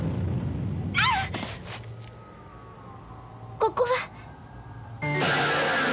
ここは？